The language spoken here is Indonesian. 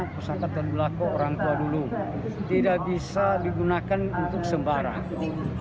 pusaka tadulako orang tua dulu tidak bisa digunakan untuk sembarangan